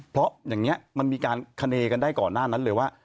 เพราะอย่างนี้มันมีการคณีกันได้ก่อนหน้านั้นเลยว่า